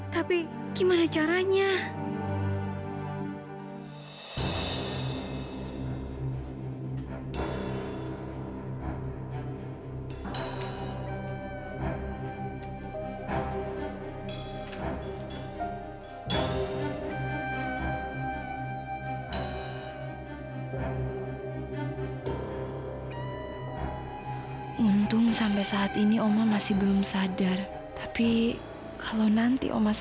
tapi bagaimana caranya